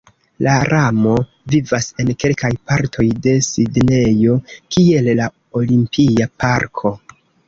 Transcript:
La rano vivas en kelkaj partoj de Sidnejo, kiel la olimpia parko.